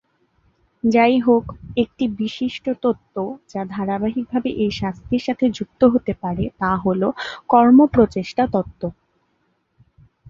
যাইহোক, একটি বিশিষ্ট তত্ত্ব যা ধারাবাহিকভাবে এই শাস্তির সাথে যুক্ত হতে পারে তা হল কর্ম-প্রচেষ্টা তত্ত্ব।